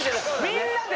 みんなで。